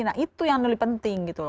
nah itu yang lebih penting gitu loh